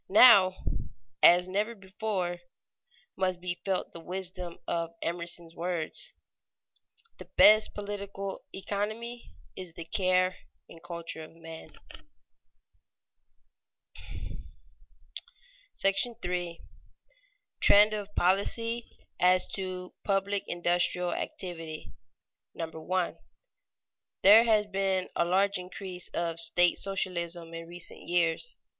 Now, as never before, must be felt the wisdom of Emerson's words: "The best political economy is the care and culture of men." § III. TREND OF POLICY AS TO PUBLIC INDUSTRIAL ACTIVITY [Sidenote: Recent growth of state socialism] 1. _There has been a large increase of state socialism in recent years.